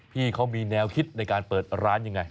พี่เขามีแนวคิดในการเปิดร้านยังไง